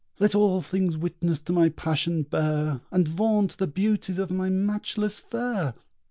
Let all things witness to my passion bear, And vaunt the beauties of my matchless fair!